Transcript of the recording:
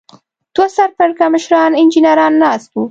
دوه سر پړکمشران انجنیران ناست و.